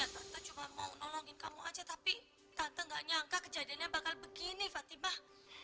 ya tante mau nolongin kamu tapi tante gak nyangka kejadianny bakal bikin ini fatimah